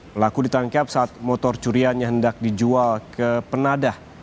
pelaku ditangkap saat motor curiannya hendak dijual ke penadah